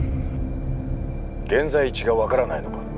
現在地が分からないのか？